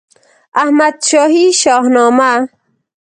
احمدشاهي شهنامه